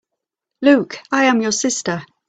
Luke, I am your sister!